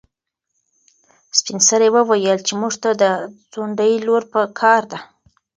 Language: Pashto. سپین سرې وویل چې موږ ته د ځونډي لور په کار ده.